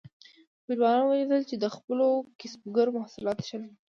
فیوډالانو ولیدل چې د خپلو کسبګرو محصولات ښه نه وو.